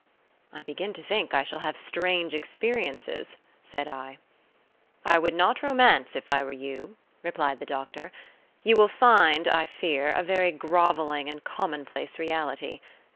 "I begin to think I shall have strange experiences," said I. "I would not romance, if I were you," replied the doctor; "you will find, I fear, a very grovelling and commonplace reality.